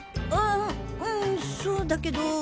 ううんそうだけど。